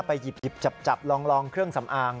หยิบจับลองเครื่องสำอาง